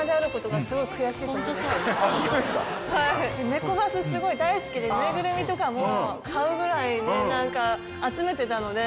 ネコバスすごい大好きで縫いぐるみとかも買うぐらいね何か集めてたので。